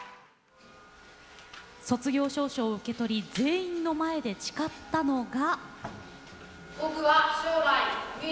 卒業証書を受け取り全員の前で誓ったのが。